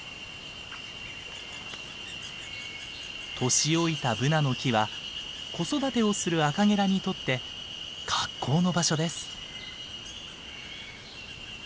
年老いたブナの木は子育てをするアカゲラにとって格好の場所です。